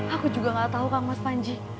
aku juga gak tahu kang mas panji